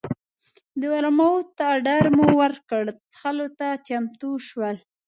د ورموت اډر مو ورکړ او څښلو ته چمتو شول.